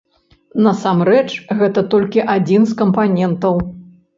Насамрэч, гэта толькі адзін з кампанентаў.